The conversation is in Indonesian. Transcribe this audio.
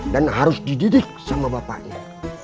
dan harus dididik sama bapaknya